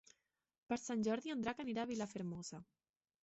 Per Sant Jordi en Drac anirà a Vilafermosa.